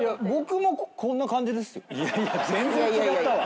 いやいや全然違ったわ！